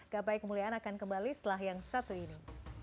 gapai kemuliaan akan kembali setelah yang satu ini